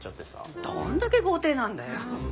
どんだけ豪邸なんだよ。